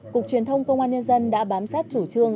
cục truyền thông công an nhân dân đã bám sát chủ trương